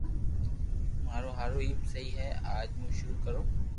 مارو ھارو ايم سھي ھي اج مون ݾروع ڪرو